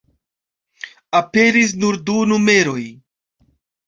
Aperis nur du numeroj.